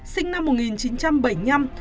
sinh năm một nghìn chín trăm bảy mươi năm